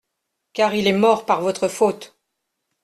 Car il est mort par votre faute.